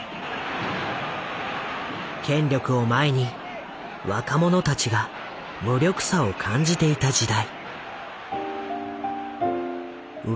権力を前に若者たちが無力さを感じていた時代。